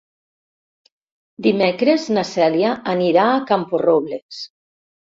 Dimecres na Cèlia anirà a Camporrobles.